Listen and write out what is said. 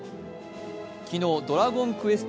昨日、「ドラゴンクエストⅩ」